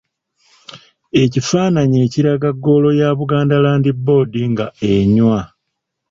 Ekifaananyi ekiraga ggoolo ya Buganda Land Board nga enywa.